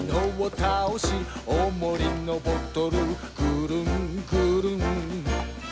「おもりのボトルぐるんぐるん」